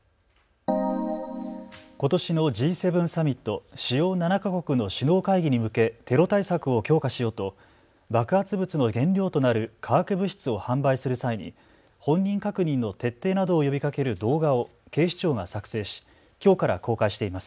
ことしのＧ７サミット・主要７か国の首脳会議に向けテロ対策を強化しようと爆発物の原料となる化学物質を販売する際に本人確認の徹底などを呼びかける動画を警視庁が作成しきょうから公開しています。